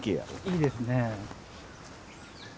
いいですね。